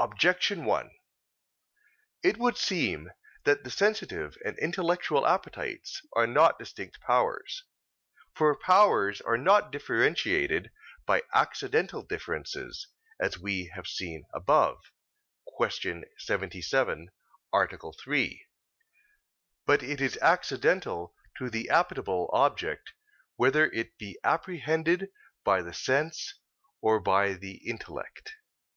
Objection 1: It would seem that the sensitive and intellectual appetites are not distinct powers. For powers are not differentiated by accidental differences, as we have seen above (Q. 77, A. 3). But it is accidental to the appetible object whether it be apprehended by the sense or by the intellect.